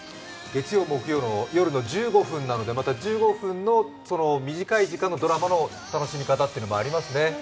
月曜木曜の夜の１５分なのでまた１５分の短い時間のドラマの楽しみ方っていうのもありますね。